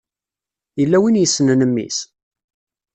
Yella win yessnen mmi-s?